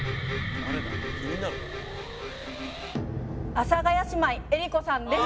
阿佐ヶ谷姉妹江里子さんです。